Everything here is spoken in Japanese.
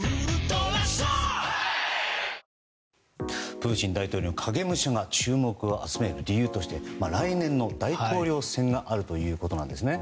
プーチン大統領の影武者が注目を集める理由として来年の大統領選があるということなんですね。